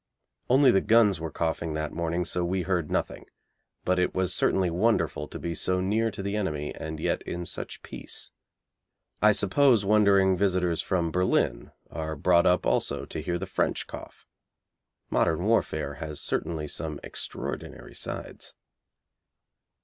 Only the guns were coughing that morning, so we heard nothing, but it was certainly wonderful to be so near to the enemy and yet in such peace. I suppose wondering visitors from Berlin are brought up also to hear the French cough. Modern warfare has certainly some extraordinary sides.